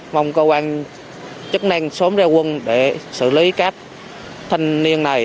mong cơ quan chức năng sống ra quân để xử lý các thành viên này